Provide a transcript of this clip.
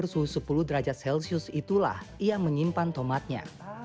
ruangan bersuhu sepuluh derajat celcius itulah yang menyimpan tomatnya